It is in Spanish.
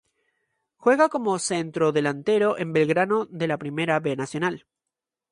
Juega como centrodelantero en Belgrano de la Primera B Nacional.